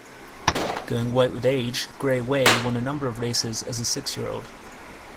Going white with age, Grey Way won a number of races as a six-year-old.